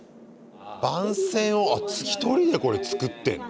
番宣をあ１人でこれ作ってんの？